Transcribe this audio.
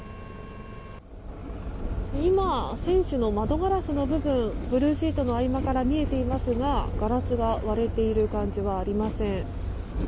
今、船首の窓ガラスの部分ブルーシートの合間から見えていますがガラスが割れている感じはありません。